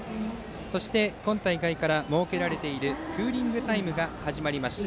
そして、今大会から設けられているクーリングタイムが始まりました。